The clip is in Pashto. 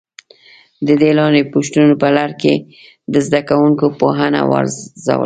د دې لاندې پوښتنو په لړ کې د زده کوونکو پوهه وارزول شي.